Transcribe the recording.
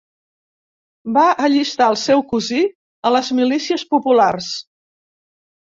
Va allistar el seu cosí a les milícies populars.